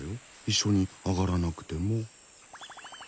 一緒にあがらなくても。